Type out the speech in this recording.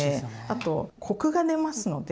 あとコクが出ますので。